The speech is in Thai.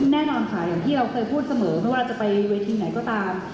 แน่นอนค่ะอย่างที่เราเคยพูดเสมอไม่ว่าจะไปเวทีไหนก็ตาม